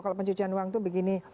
kalau pencucian uang itu begini